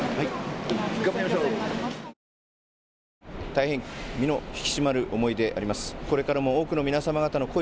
大変身の引き締まる思いでございます。